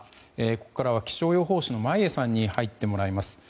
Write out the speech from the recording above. ここからは気象予報士の眞家さんに入ってもらいます。